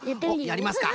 やりますか。